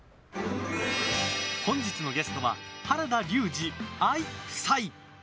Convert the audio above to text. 本日のゲストは原田龍二、愛夫妻。